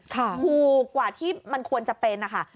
ถูกกว่าที่มันควรจะเป็นนะคะ